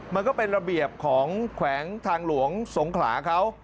มันก็เป็นระเบียบของแขวงทางหลวงสงขลาเขา